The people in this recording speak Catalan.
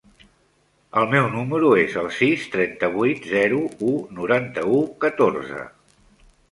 El meu número es el sis, trenta-vuit, zero, u, noranta-u, catorze.